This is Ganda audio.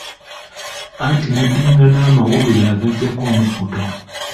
Anti n'addingana amawolu yagaggyako omukkuto.